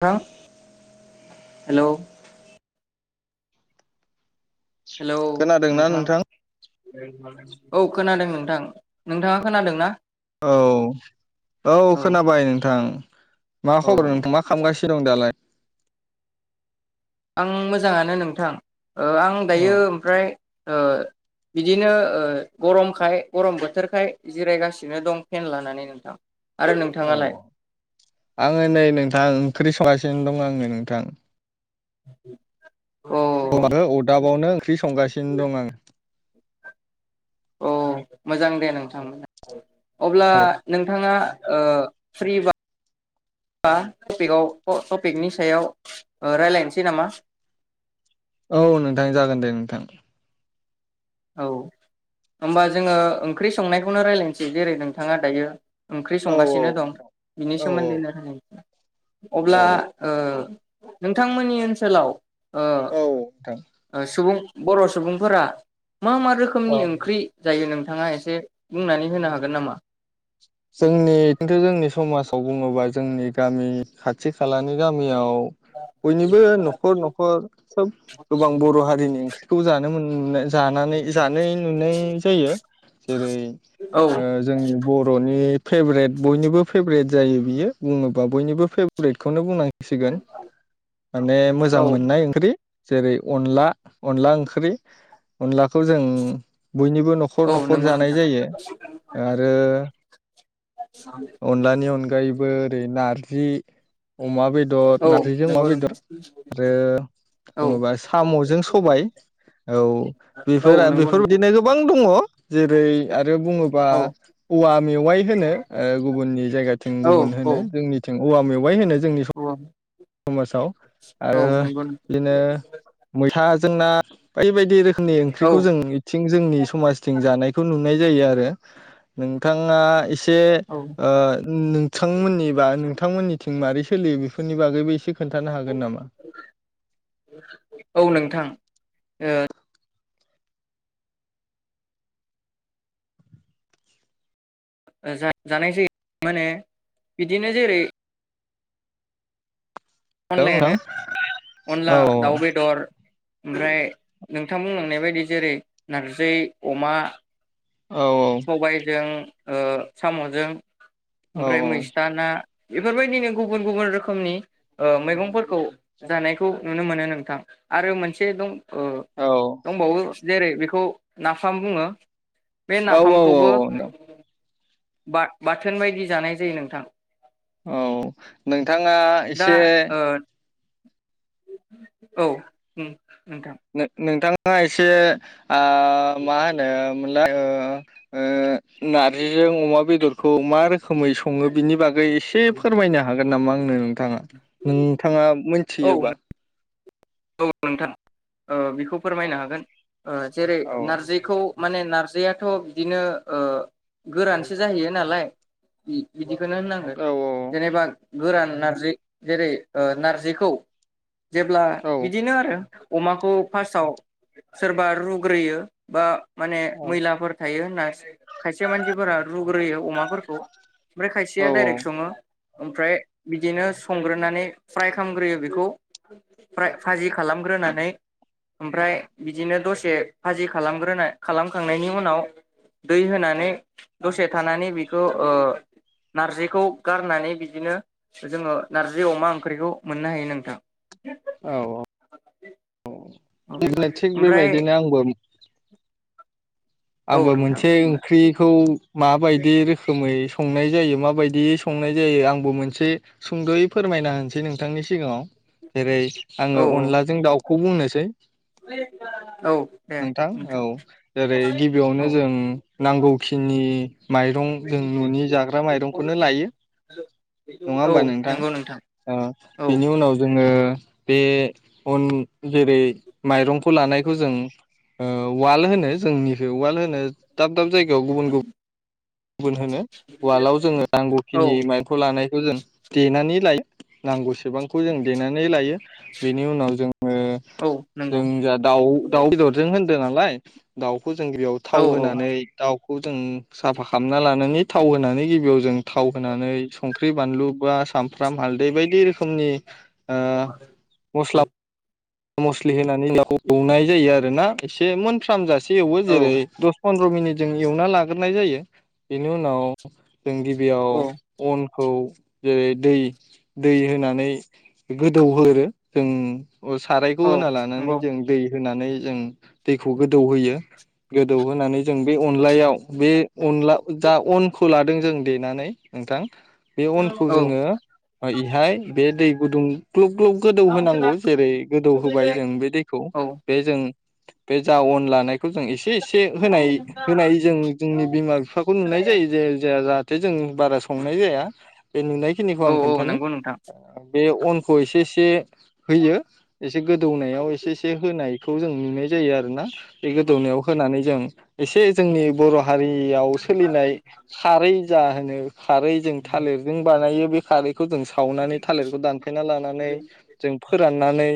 [unintelligible] Hello hello नोंथां औ खोनादों नोंथां नोंथाङा खोनादोंना? औ औ खोनाबाय नोंथां। मा औ खबर नोंथां मा खामगासि [unintelligible] दालाय आं मोजाङानो नोंथां ओ आं औ दायो ओमफ्राय ओ इदिनो ओ गरमखाय गरम बोथोरखाय जिरायगासिनो दं फेन लानानै नोंथां आरो नोंथाङालाय औ आङो नै नोंथां ओंख्रि स [unintelligible] दं आङो नोंथां औ [unintelligible] अदाबावनो ओंख्रि संगासिनो दं आं औ मोजां दे नोंथांमोना अब्ला औ नोंथाङा ओ फ्रि बा टपिकआव ट-टपिकनि सायाव ओ रायलायनोसै नामा? औ नोंथां जागोन दे नोंथां औ होमबा जोङो ओंख्रि संनायखौनो रायलायनोसै जेरै नोंथाङा दायो ओंख्रि औ संगासिनो दं बिनि औ सोमोन्दैनो [unintelligible] अब्ला औ ओ नोंथांमोननि ओनसोलाव ओ औ औ नोंथां ओ सुबुं बर' सुबुंफोरा मा मा रोखोमनि औ ओंख्रि जायो नोंथाङा एसे बुंनानै होनो हागोन नामा? जोंनि खिन्थु जोंनि समाज खौ बुङोबा जोंनि गामि खाथि खालानि गामियाव बयनिबो न'खर न'खर सोब गोबां बर' हारिनि ओंख्रिखौ जानो मोनो [unintelligible] जानानै जानाय नुनाय जायो जेरै- औ ओ जोंनि बर' फेभरेट बयनिबो फेभरेट जायो बियो बुङोबा बयनिबो फेभरेटखौनो बुंनां सिगोन माने मोजां औ मोननाय ओंख्रि जेरै अनला अनला ओंख्रि अनला खौ जों बयनिबो न'खर औ न'खर नंगौ जानाय नोंथां जायो आरो अनलानि अनगायैबो ओरै नारजि जि अमा बेदर औ नारजिजों अमा नंगौ बेदर नंगौ आरो औ बुङोबा साम'जों सबाय औ औ बेफोर नंगौ नोंथां बेफोरबायदिनो गोबां दङ जेरै आरो बुङोबा औ औवा अयाय होनो गुबुननि जाया औ गुब औ जोंनि औवा मेवाय होनो जोंनि औ समाजाव औ आरो नंगौ नोंथां, बिदिनो मैथा जों ना बायदि बायदि बायदि रोखोमनि औ ओंख्रिखौ जों इथिं जोंनि समाजथिं जानायखौ नुदों नाय जायो आरो नोंथाङा एसे औ ओ नोंथांमोननि बा नोंथांमोननिथिं मारै सोलियो बेफोरनि बागैबो एसे खोन्थानो हागोन नामा ओ जा जानाय जायो मा होनो बिदिनो जेरै हेल' अनलायानो नोंथां अनला औ दाउ बेदर ओमफ्राय नोंथां बुंनांनाय बायदि जेरै नारजि अमा औ सबायजों ओ साम'जों औ ओमफ्राय मैस्था ना बेफोरबायदिनो गुबुन गुबुन रोखोमनि मैगंफोरखौ जानायखौ नुनो मोनो नोंथां आरो मोनसे दं अ दंबावो जेरै बेखौ नाफाम बुङो औ औ औ बाथोन बायदि जानाय जायो नोंथां औ नों नोंथाङा दा एसे ओ औ नोंथां नो नोंथां थाङा एसे आ मा होनो मोनलाय ओ ओ नारजिजों अमा बेदरखौ मा रोखोमै सङो बिनि बागै एसे फोरमायनो हागो गोन नामा आंनो नोंथाङा नोंथाङा औ मोनथियोबा औ नोंथां औ [unintelligible] खौ फोरमायनो हागोन ओ जेरै औ नारजिखौ माने नारजियाथ' बिदिनो ओ गोरानसो जाहैयो नालाय बिदिखोनो होननांगोन औ जेनेबा गोरान नारजि जेरै ओ नारजिखौ जेब्ला औ बिदिनो आरो अमाखौ फार्स्टआव सोरबा रुग्रोयो बा माने मैलाफोर थायो होनना खायसे मानसिफोरा रुग्रोयो अमाफोरखौ ओमफ्राय औ खायसेया दाइरेक्ट सङो ओमफ्राय बिदिनो संग्रोनानै फ्राय खामग्रोयो बेखौ फ्राय भाजि खालामग्रोनानै ओमफ्राय बिदिनो दसे भाजि खालामग्रोना खालामखांनायनि उनाव दै होनानै दसे थानानै बेखौ नारजिखौ गारनानै बिदिनो जोङो नारजि अमा ओंख्रिखौ मोननो हायो नोंथां औ औ औ थिग ओमफ्राय बेबायदिनो आंबो औ आंबो नोंथां मोनसे ओंख्रिखौ माबायदि रोखोमै संनाय जायो माबायदियै संनाय जायो आंबो मोनसे सुंद'यै फोरमायना होनोसै नोंथांनि सिगाङाव जेरै आङो औ अनलाजों दाउखौ बुंनोसै औ दे नोंथां औ जेरै गिबियावनो औ जों नांगौखिनि माइरं जों न'नि जाग्रा माइरंखौनो लायो। नङा होमबा औ नोंथां नंगौ ओ औ बेनि उनाव जोङो बे अन जेरै माइरंखौ लानायखौ जों ओ उवाल होनो जोंनि उवाल होनो दाब दाब जायगायाव गुबुन गुबु गुबुन होनो उवालाव जोङो औ नांगौखिनि माइरंखौ ला लानायखौ जों देनानै लायो नांगौसेबांखौ जों देनानै लायो बेनि उनाव जों ङो औ जों नंगौ जा दाउ दाउ बेदरजों होन्दो नालाय दाउ खौ जों गिबियाव औ थाव होनानै दाउखौ जों साफा खा लानानै थाव होनानै गिबियाव जों थाव होनानै संख्रि बानलु बा सामफ्राम हालदै बायदि रोखोमनि ओ मस्ला मस्लि होनानै [unintelligible] एवनाय जायो आरो ना एसे मोनफ्राम जासे से एवो औ जेरै द' पन्द्र मिनिट जों एवना लाग्रोनाय जायो बेनि उनाव जों गिबियाव औ अन खौ जेरै दै दै होनानै गोदौहोरो जों सारायखौ औ होना लानानै नंगौ जों दै होनानै जों दैखौ गोदौ होयो गोदौ होनानै जों बे अनलायाव बे अनला जा अनखौ ला दों जों देनानै नोंथां बे अनखौ औ जोङो ओ इहाय बे दै गुदुं ग्लब ग्लब गोदौ होनांगौ जेरै गोदौ होबाय जों बे दैखौ औ बे जों बे जा अन लानाय खौ जों इसे इसे होनाय होनाय जों जोंनि बिमा बिफाखौ नुनाय जायो जे [unintelligible] जे जों बारा संनाय जाया। बे नुनायखिनिखौ औ आं औ खोन्थानि नंगौ नोंथां बे अनखौ इसे इसे होयो एसे गोदौनायाव एसे एसे होनायखौ जों नुनाय जायो आरोना बे गोदौनायाव होनानै जों एसे जोंनि बर' हारियाव सोलिनाय सारै जा जा होनो खारै जों थालिरजों बानायो बे खारै खौ जों सावनानै थालिरखौ दानफायना लानानै फोराननानै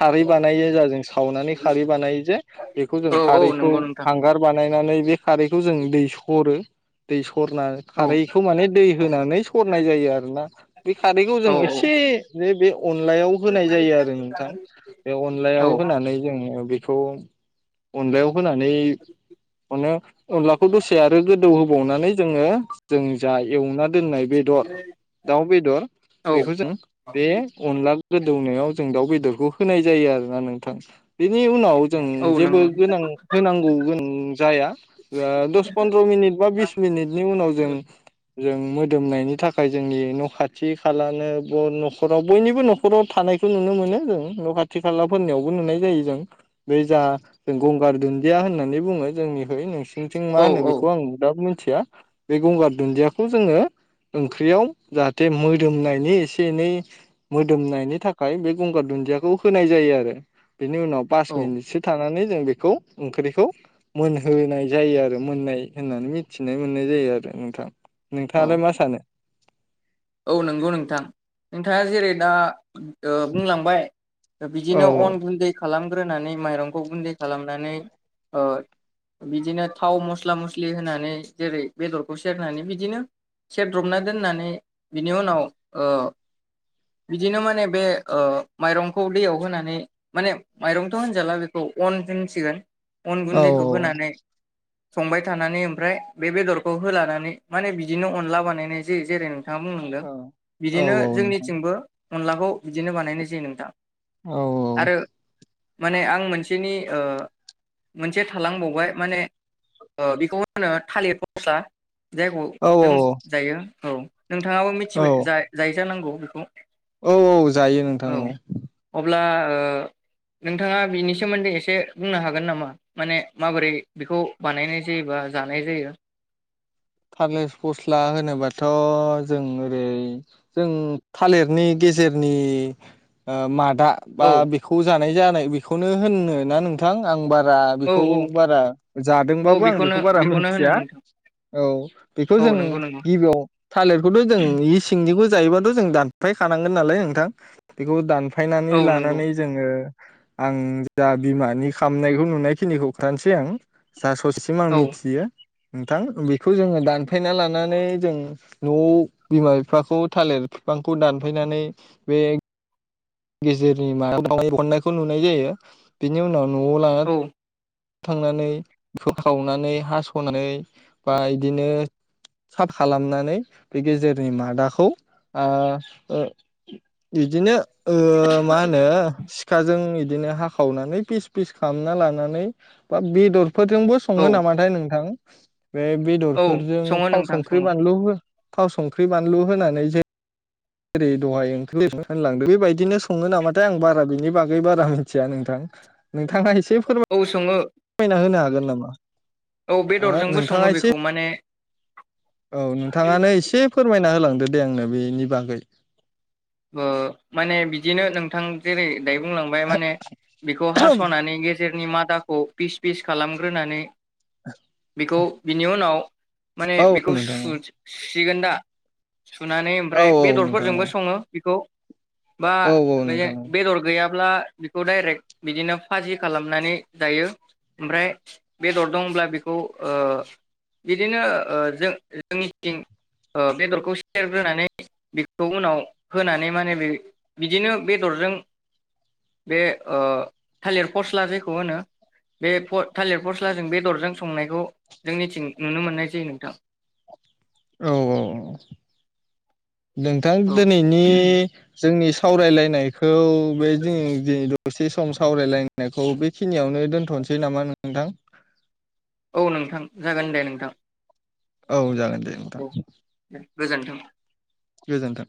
खारै बानायो जों सावनानै खारै बानायो जे बेखौ जों औ औ खारैखौ नंगौ नोंथां हांगार बानायनानै बे खारैखौ जों दै स रो दै स सरना औ खारैखौ माने दै होनानै सरनाय जायो आरोना बे खारैखौ जों औ इसे बे बे अनलायाव होनाय जायो आरो नोंथां बे औ अनलायाव होनानै जों बेखौ अनलायाव होनानै अनो अनलाखौ दसे आरो गोदौ होबावनानै जोङो जों जा एवना दोननाय बेदर दाउ बेदर औ बेखौ जों बे अनला गोदौनायाव जों दाउ बेदरखौ होनाय जायो आरोना नोंथां। बेनि उनाव जों औ जेबो नंगौ गोनां होनांगौ गो जाया दस पन्द्र मिनिट बा बिस मिनिटनि उनाव जों जों मोदोमनायनि थाखाय जोंनि न खाथि खालानो बय नख'राव बयनिबो न'खर नख'राव थानायखौ नुनो मोनो जों न खाथि खालाफोरनियावबो नुनाय जायो जों बे जा गंगार दुन्दिया होननानै बुङो जोंनिखै नों सोरथिं औ मा होनो बेखौ आं दा मि थिया बे गंगार दुन्दियाखौ जोङो ओंख्रियाव जाहाथे मोदोमनायनि एसे एनै मो दोमनायनि थाखाय बे गंगार दुन्दियाखौ होनाय जायो आरो। बिनि उनाव पास औ मिनिटसो थानानै जों बेखौ ओंख्रिखौ मोनहोनाय जायो आरो मोननाय होननानै मिथिनाय मोननाय जायो आरो नोंथां। औ नोंथाङालाय मा सानो? औ नंगौ नोंथां। नोंथाङा जेरै दा ओ बुंलांबाय औ बिदिनो अन गुन्दै खालाम ग्रोनानै माइरंखौ गुन्दै खालामनानै ओ बिदिनो थाव मस्ला मस्लि होनानै जेरै बेदरखौ सेरनानै बिदिनो सेरद्रबना दोननानै बिनि उनाव ओ बिदिनो माने बे ओ माइरंखौ दैयाव होनानै माने माइरंथ' होनजाला बेखौ अन होनसिगोन। अन औ गुन्दैखौ होनानै संबाय थानानै ओमफ्राय बे बेदरखौ होलानानै माने बिदिनो अनला बानायनाय जायो जेरै थाङा बुंनादो औ औ बिदिनो जोंनिथिंबो अनलाखौ बिदिनो बानायनाय जायो नोंथां औ औ। आरो माने आं मोनसेनि ओ मोनसे थालांबावबाय माने ओ बेखौ होनो थालिर फस्ला जायखौ औ जों जायो औ। नोंथाङाबो औ मिथिबाय जा जायो जानांगौ। बेखौ। औ औ जायो नोंथां औ। अब्ला ओ नोंथाङा बिनि सोमोन्दै एसे बुंनो हागोन नामा माने माबोरै बेखौ बानायनाय जायोबा जानाय जायो? थालिर फस्ला होनोबाथ जों ओरै जों थालिरनि गेजेरनि ओ मा दा बा औ बेखौ जा [unintelligible] रा औ बेखौ औ बारा औ जादोंबाबो आं बेखौनो बेखौ बारा बेखौनो होनो मिथिया नोंथां औ बेखौ औ जों नंगौ नंगौ गिबियाव थालिरखौथ जों इ सिंनिखौ जायोबा थ जों दानफाय खानांगौ ना नोंथां फायनानै औ नंगौ लानानै जोङो आं जा बिमानि खामनायखौ नुनायखिनिखौ खोथानोसै आं जाास'सिम आं औ मिथियो नोंथां बे बेखौ जोङो दानफायना लानानै जों न'आव बिमा बिफाखौ थालिर बिफांखौ दानफायनानै बे गेजेरनि माबायाव अनायखौ नुनाय जायो बिनि उनाव न'वाव ला औ खांनानै फोखावनानै हास'नानै बा बिदिनो साफ खालामनानै बे गेजेरनि मादाखौ ओ इदिनो ओ मा होनो सिखाजों बिदिनो हाखावनानै फिस फिस खालामना लानानै बा बेदर फोरजोंबो औ सङो नामाथाय नोंथां बे औ बेदरफोरजों सङो थाव नोंथां संख्रि सङो बानलु हो थाव संख्रि बानलु होनानै जे जेरै दहाय ओंख्रि होनलांदों बे बायदिनो सङो नामाथाय आं बारा बिनि बागै बारा मिया नोंथां नों बिथाङा एसे फोर औ सङो फोरमायना होनो हागोन गोन नामा औ ओ बेदरजोंबो नोंथाङा सङो एसे बेखौ माने औ नोंथाङानो एसे फोरमाय ना होलांदो दे आंनो बेनि बागै ओ माने बिदिनो नोंथां जेरै यो बुंलांबाय माने बेखौ हास'नानै गेजेरनि माथ आ दाखौ पिस पिस खालामग्रोनानै बेखौ बिनि उनाव माने औ बेखौ नोंथां सु औ सुसिगोन दा सुनानै औ ओमफ्राय औ नोंथां औ बेदरफोरजोंबो सङो बिखौ बा औ औ बे नोंथां बेदर गैयाब अब्ला बिखौ डाइरेक्ट बिदिनो फाजि खालामनानै जायो ओमफ्राय बेदर दंब्ला बेखौ ओ बिदिनो ओ जों जोंनिथिं ओ बेदरखौ सेरग्रोनानै बेखौ उनाव होनानै माने बे बिदिनो बेदरजों बे थालिर फस्ला जायखौ होनो बे थालिर फस्लाजों बेदरजों संनायखौ जोंनिथिं नुनो मोननाय जायो नोंथां औ औ औ नोंथां औ दिनैनि जों नि सावरायलायनाय खौ [unintelligible] दसे सम सावरायलायनायखौ बेखिनियावनो दोनथ'नोसै नामा नोंथां औ नोंथां जागोन दे नोंथां औ जागोन दे औ नोंथां दे गोजोन्थों गोजोन्थों